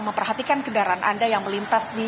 memperhatikan kendaraan anda yang melintas di